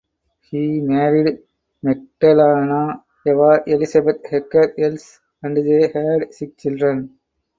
He married Magdalena Eva Elisabeth Hecker ("Else") and they had six children.